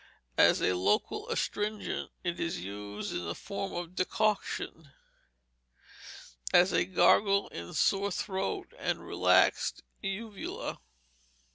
As a local astringent, it is used in the form of decoction, as a gargle in sore throat and relaxed uvula.